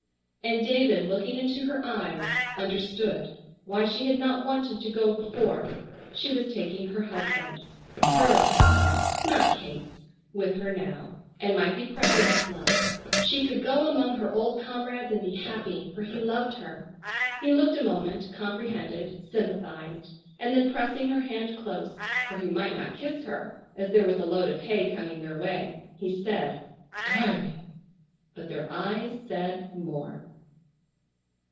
And David looking into her eyes understood why she had not wanted to go before. She was taking her husband, her husband, not Kate's, with her now, and might be proud of his love. She could go among her old comrades and be happy, for he loved her. He looked a moment, comprehended, sympathized, and then pressing her hand close—for he might not kiss her, as there was a load of hay coming their way—he said: "Darling!" But their eyes said more.